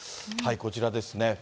こちらですね。